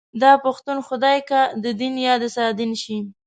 داپښتون خدای که ددين يا دسادين شي